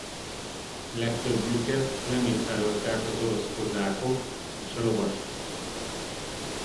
Legtöbbjüket lemészárolták az orosz kozákok és a lovasság.